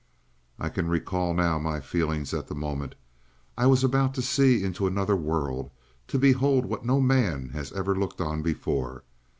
"I can recall now my feelings at that moment. I was about to see into another world, to behold what no man had ever looked on before.